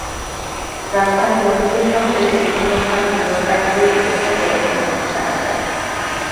রাজধানীর মতিঝিলসহ দেশের বিভিন্ন স্থানে বিনিয়োগকারীদের বিক্ষোভও প্রদর্শন করতে দেখা যায়।